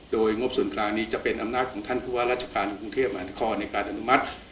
โดยงบส่วนกลางนี้จะเป็นอำนาจของท่านผู้ว่าราชการกรุงเทพมหานครในการอนุมัติ